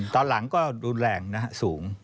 ตอนหลังค่อนข้างรุนแรงนะฮะสูง